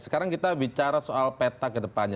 sekarang kita bicara soal peta kedepannya